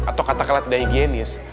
atau katakanlah tidak higienis